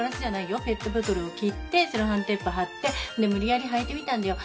ペットボトルを切ってセロハンテープ貼ってで無理やり履いてみたんだよ。